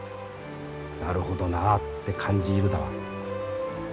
なるほどなあって感じ入るだわ。